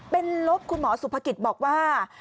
เป็นลบคุณหมอสุภกิจบอกว่า